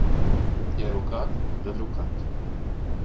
Ja rukāt, tad rukāt.